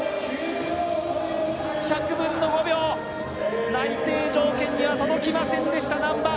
１００分の５秒内定条件には届きませんでした難波！